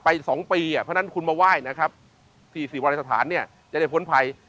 ไปสองปีเพราะฉะนั้นคุณมาไหว้ที่ศรีวรสถานจะได้พ้นภัย